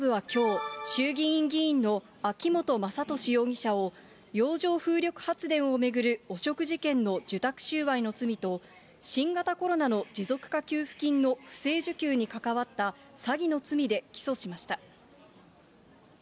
東京地検特捜部はきょう、衆議院議員の秋本真利容疑者を、洋上風力発電を巡る汚職事件の受託収賄の罪と、新型コロナの持続化給付金の不正受給に関わった詐欺の罪で起訴しました。